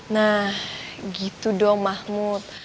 nah gitu dong mahmud